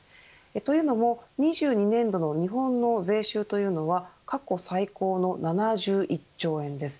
というのも２２年度の日本の税収というのは過去最高の７１兆円です。